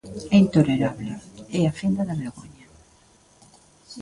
É intolerable, é a fenda da vergoña.